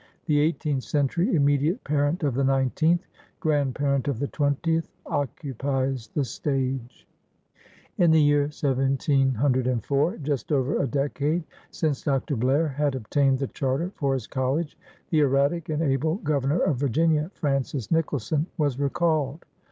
The eighteenth century, immediate parent of the nineteenth, grandparent of the twentieth, occupies the stage. In the year 1704, just over a decade since Dr. Blair had obtained the charter for his College, the erratic and able Governor of Virginia, Francis Nicholson, was recalled.